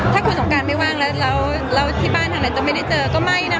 ถ้าคุณสงการไม่ว่างแล้วที่บ้านทางไหนจะไม่ได้เจอก็ไม่นะ